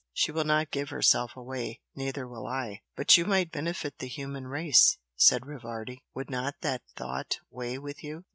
She will not give herself away neither will I!" "But you might benefit the human race" said Rivardi "Would not that thought weigh with you?"